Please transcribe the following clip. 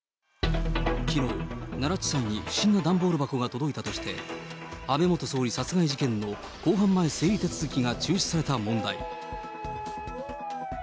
きのう、奈良地裁に不審な段ボール箱が届いたとして、安倍元総理殺害事件の公判前整理手続きが中止された問題。